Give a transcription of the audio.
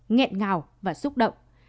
ngẹn ngào và xúc động